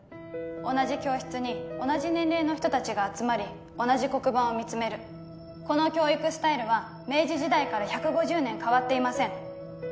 同じ教室に同じ年齢の人達が集まり同じ黒板を見つめるこの教育スタイルは明治時代から１５０年変わっていません